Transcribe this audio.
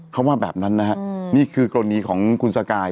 เขาว่าแบบนั้นนะฮะนี่คือกรณีของคุณสกาย